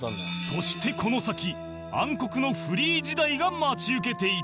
そしてこの先暗黒のフリー時代が待ち受けていた